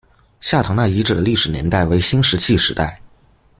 下堂那遗址的历史年代为新石器时代。